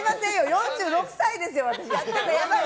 ４６歳ですよ、私。